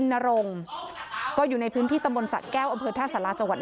ไม่ใช่ไม่ใช่ไม่ใช่ไม่ใช่